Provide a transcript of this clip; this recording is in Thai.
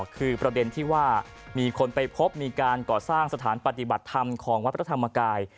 คือประเด็นที่ว่ามีคนไปพบมีการก่อสร้างสถานปฏิบัติธรรมของวัดพระธรรมกาย